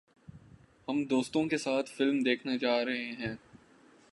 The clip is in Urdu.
ہم دوستوں کے ساتھ فلم دیکھنے جا رہے ہیں